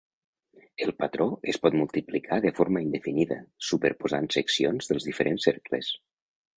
El patró es pot multiplicar de forma indefinida, superposant seccions dels diferents cercles.